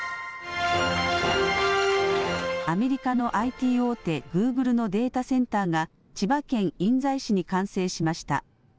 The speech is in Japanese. アメリカのＩＴ大手グーグルのデータセンターが、千葉県印西市に完成しました。